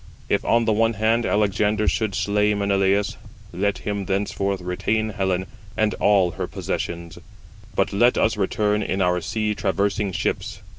If, on the one hand, Alexander should slay Menelaus, let him thenceforth retain Helen and all her possessions; but let us return in our sea traversing ships.